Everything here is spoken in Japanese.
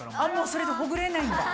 それでほぐれないんだ。